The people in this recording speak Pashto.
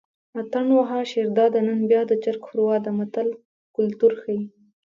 اتڼ وهه شیرداده نن بیا د چرګ ښوروا ده متل کولتور ښيي